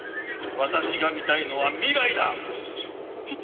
私が見たいのは未来だ！